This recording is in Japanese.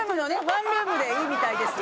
ワンルームでいいみたいです